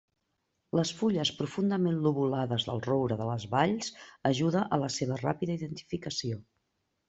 Les fulles profundament lobulades del roure de les valls ajuda a la seva ràpida identificació.